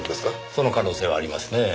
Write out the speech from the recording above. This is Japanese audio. その可能性はありますねぇ。